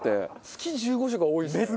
月１５食は多いですね。